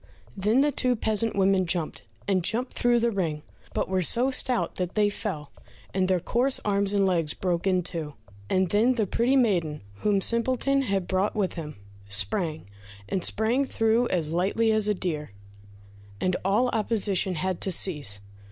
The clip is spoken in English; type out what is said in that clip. Then the two peasant women jumped, and jumped through the ring, but were so stout that they fell, and their coarse arms and legs broke in two. And then the pretty maiden whom Simpleton had brought with him, sprang, and sprang through as lightly as a deer, and all opposition had to cease.